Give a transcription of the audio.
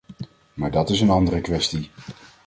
Maar dat is een andere kwestie.